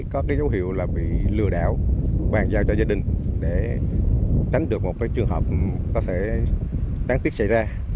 có cái dấu hiệu là bị lừa đạo bàn giao cho gia đình để tránh được một trường hợp đáng tiếc xảy ra